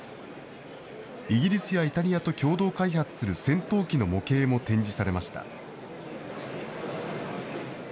イギリスやイタリアと共同開発する戦闘機の模型も展示されました。